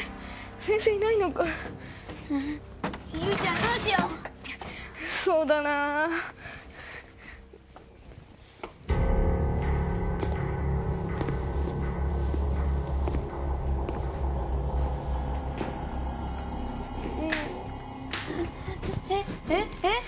先生いないのかユウちゃんどうしようそうだなえっえっえっ？